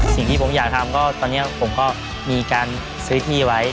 สิ่งที่ผมอยากทำก็ตอนนี้ผมก็มีการซื้อที่ไว้